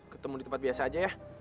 ketemu di tempat biasa aja ya